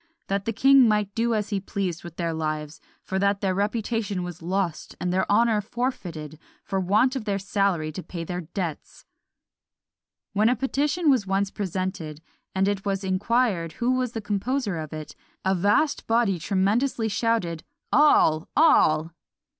that the king might do as he pleased with their lives; for that their reputation was lost, and their honour forfeited, for want of their salary to pay their debts." When a petition was once presented, and it was inquired who was the composer of it, a vast body tremendously shouted "All! all!"